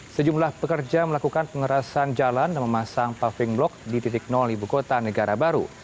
sejumlah pekerja melakukan pengerasan jalan dan memasang paving blok di titik ibu kota negara baru